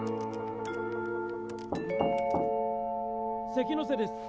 ・関ノ瀬です。